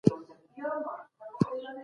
زه کولای سم چي په لږ وخت کي پروژه خلاصه کړم.